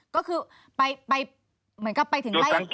อ๋อก็คือไปถึงไล่กัน